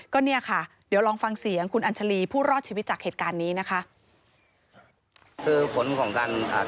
ก็เนี่ยค่ะเดี๋ยวลองฟังเสียงคุณอัญชาลีผู้รอดชีวิตจากเหตุการณ์นี้นะคะ